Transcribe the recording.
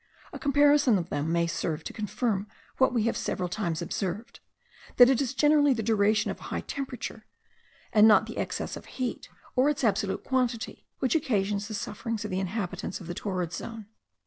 A comparison of them may serve to confirm what we have several times observed, that it is generally the duration of a high temperature, and not the excess of heat, or its absolute quantity, which occasions the sufferings of the inhabitants of the torrid zone.